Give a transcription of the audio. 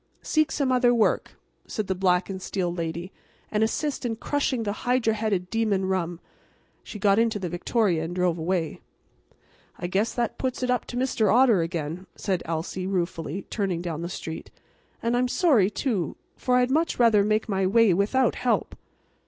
"Seek some other work," said the black and steel lady, "and assist in crushing the hydra headed demon rum." And she got into the victoria and drove away. "I guess that puts it up to Mr. Otter again," said Elsie, ruefully, turning down the street. "And I'm sorry, too, for I'd much rather make my way without help."